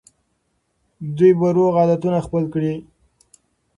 دوی به روغ عادتونه خپل کړي.